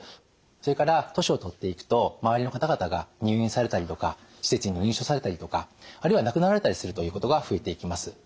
それから年を取っていくと周りの方々が入院されたりとか施設に入所されたりとかあるいは亡くなられたりするということが増えていきます。